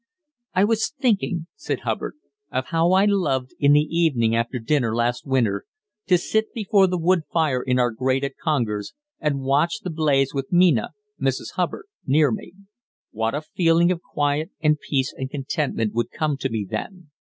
"I was thinking," said Hubbard, "of how I loved, in the evening after dinner last winter, to sit before the wood fire in our grate at Congers, and watch the blaze with Mina [Mrs. Hubbard] near me. What a feeling of quiet, and peace, and contentment, would come to me then!